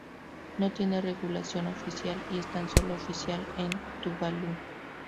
No tiene regulación oficial y es tan sólo oficial en Tuvalu.